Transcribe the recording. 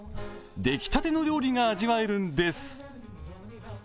出来たての料理が味わえるんです。